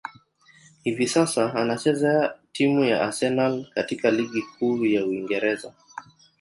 Hivi sasa, anachezea timu ya Arsenal katika ligi kuu ya Uingereza.